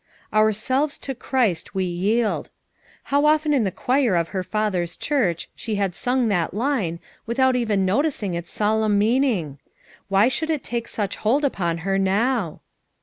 ''Ourselves to Christ we yield*" How often in the choir of her father's church she had sung that line without even noticing its solemn meaning! Why should it take such hold upon her now?